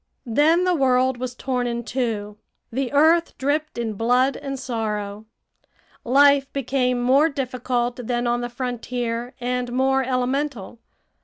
Then the world was torn in two. The earth dripped in blood and sorrow. Life became more difficult than on the frontier, and more elemental.